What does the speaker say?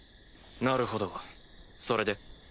なるほどそれで？